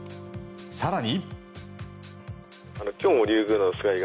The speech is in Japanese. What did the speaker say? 更に。